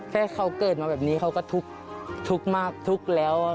แค่เขาเกิดมาแบบนี้เขาก็ทุกข์มากทุกข์แล้ว